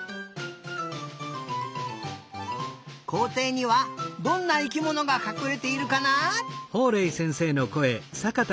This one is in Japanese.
こうていにはどんな生きものがかくれているかな？